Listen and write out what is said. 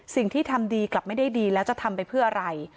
สิ่งที่ทำดีกลับไม่ได้ดีแล้วจะทำไปเพื่ออะไร